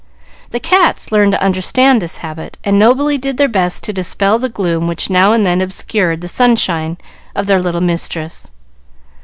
The cats learned to understand this habit, and nobly did their best to dispel the gloom which now and then obscured the sunshine of their little mistress.